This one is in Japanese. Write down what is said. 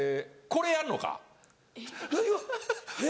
「これやんのか？